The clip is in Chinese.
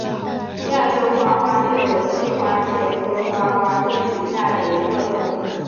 亚洲花花介为细花介科花花介属下的一个种。